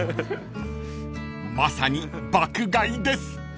［まさに爆買いです］